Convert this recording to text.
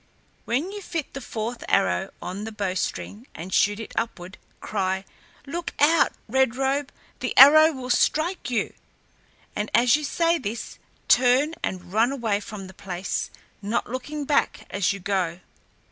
When you fit the fourth arrow on the bowstring and shoot it upward, cry, 'Look out, Red Robe, the arrow will strike you!' and as you say this, turn and run away from the place, not looking back as you go.